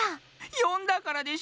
よんだからでしょ！